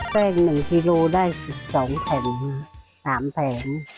แป้ง๑กิโลได้๑๒แผ่น๓แผ่น